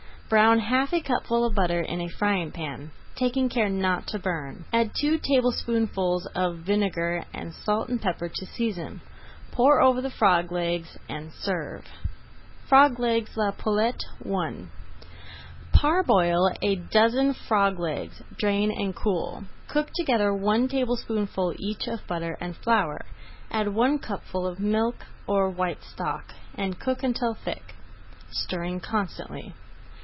Brown half a cupful of butter in a frying pan, taking care not to burn. Add two tablespoonfuls of vinegar and salt and pepper to season. Pour over the frog legs and serve. [Page 158] FROG LEGS À LA POULETTE I Parboil a dozen frog legs, drain and cool. Cook together one tablespoonful each of butter and flour, add one cupful of milk, or white stock, and cook until thick, stirring constantly.